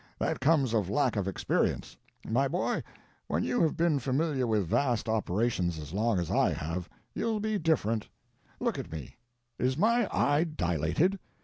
That comes of lack of experience. My boy, when you have been familiar with vast operations as long as I have, you'll be different. Look at me; is my eye dilated?